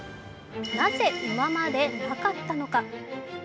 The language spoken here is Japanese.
なぜ、今までなかったのか。